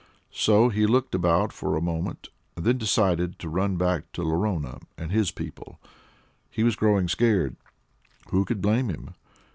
So he looked about for a moment, and then decided to run back to Lorona and his people. He was growing scared. Who could blame him?